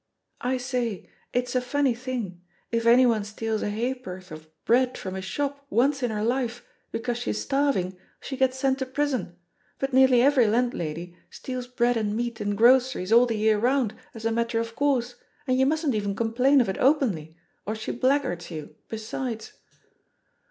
I say, it's a fimny thing, if anyone steals a ba'porth of bread from a shop once in her life THE POSITION OF PEGGY HARPEB M because she's starving she gets sent to prison, but nearly every landlady steals bread and meat and groceries all the year round as a matter of course and you mustn't even complain of ijk openly, or she blackguards you, besides."